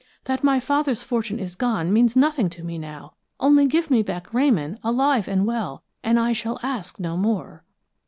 That my father's fortune is gone means nothing to me now. Only give me back Ramon alive and well, and I shall ask no more!"